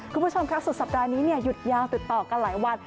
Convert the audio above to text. คุณผู้ชมค่ะสุดสัปดาห์นี้หยุดยาวติดต่อกันหลายวัน